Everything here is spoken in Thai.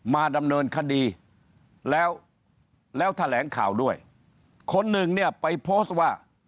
มาดำเนินคดีแล้วแล้วแถลงข่าวด้วยคนหนึ่งเนี่ยไปโพสต์ว่า